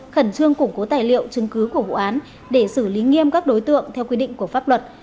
khẩn trương củng cố tài liệu chứng cứ của vụ án để xử lý nghiêm các đối tượng theo quy định của pháp luật